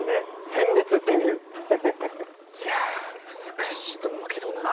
いやあ難しいと思うけどなあ。